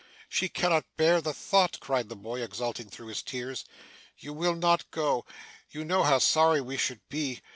'She cannot bear the thought!' cried the boy, exulting through his tears. 'You will not go. You know how sorry we should be.